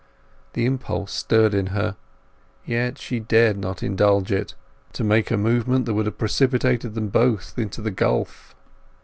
The impulse stirred in her, yet she dared not indulge it, to make a movement that would have precipitated them both into the gulf.